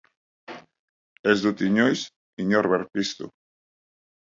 Ez dut inoiz inor berpiztu!